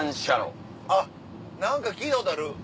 あっ何か聞いたことある。